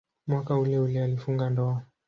Mwaka uleule alifunga ndoa.